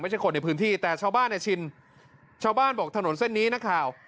คนในพื้นที่แต่ชาวบ้านเนี่ยชินชาวบ้านบอกถนนเส้นนี้นักข่าว